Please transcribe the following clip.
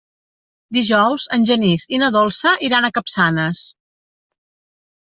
Dijous en Genís i na Dolça iran a Capçanes.